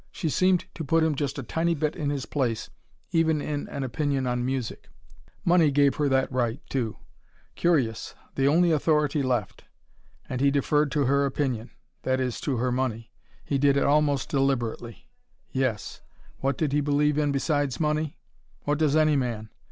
She seemed to put him just a tiny bit in his place, even in an opinion on music. Money gave her that right, too. Curious the only authority left. And he deferred to her opinion: that is, to her money. He did it almost deliberately. Yes what did he believe in, besides money? What does any man?